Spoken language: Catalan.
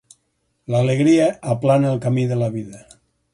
L'alegria aplana el camí de la vida.